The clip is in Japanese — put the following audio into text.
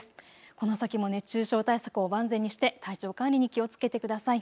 この先も熱中症対策を万全にして体調管理に気をつけてください。